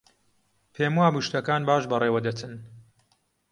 پێم وابوو شتەکان باش بەڕێوە دەچن.